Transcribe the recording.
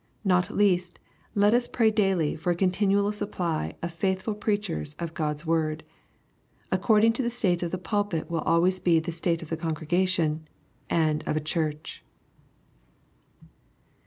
Not least, let us pray daily for a continual supply of faithful preachers ot God's word. According to the state of the pulpit will always be the state of a congregation and of a Church.